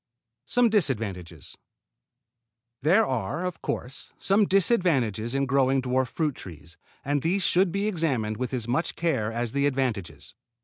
SOME DISADVANTAGES There are, of course, some disadvantages in growing dwarf fruit trees, and these should be examined with as much care as the advantages.